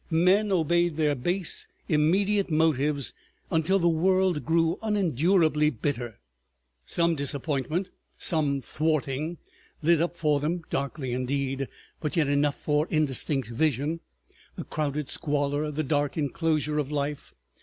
Men obeyed their base immediate motives until the world grew unendurably bitter. Some disappointment, some thwarting, lit up for them—darkly indeed, but yet enough for indistinct vision—the crowded squalor, the dark inclosure of life.